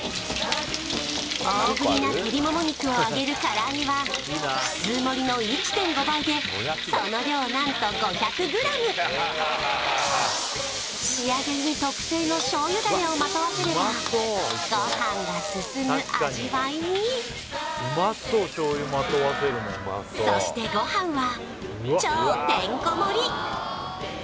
大ぶりな鶏もも肉を揚げるから揚げは普通盛りの１．５倍でその量なんと５００ｇ仕上げに特製の醤油ダレをまとわせればご飯が進む味わいにそしてご飯は超てんこ盛り！